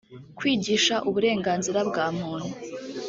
kwigisha uburenganzira bwa muntu